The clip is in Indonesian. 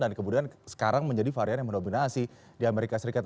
dan kemudian sekarang menjadi varian yang mendominasi di amerika serikat